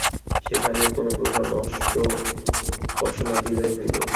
সেখানে কোনোপ্রকার কষ্ট না দিলেই হইল।